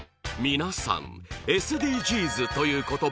皆さん「ＳＤＧｓ」という言葉